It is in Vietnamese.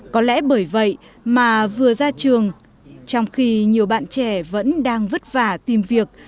có lẽ bởi vậy mà vừa ra trường trong khi nhiều bạn trẻ vẫn đang vất vả tìm việc